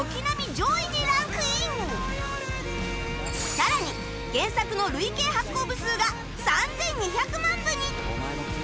さらに原作の累計発行部数が３２００万部に